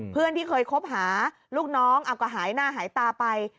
เพื่อนที่เคยคบหาลูกน้องเอาก็หายหน้าหายตาไป